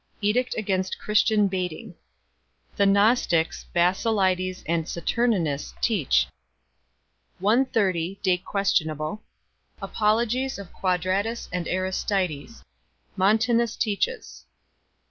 Edict against Christian baiting. The Gnostics Basilides and Saturninus teach. 130 ? Apologies of Quadratus and Aristides. Montanus teaches.